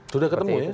sudah ketemu ya